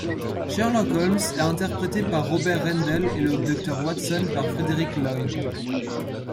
Sherlock Holmes est interprété par Robert Rendel et le Docteur Watson par Frederick Lloyd.